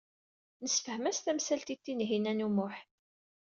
Nessefhem-as tamsalt i Tinhinan u Muḥ.